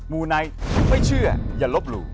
มูไนท์ไม่เชื่ออย่าลบหลู่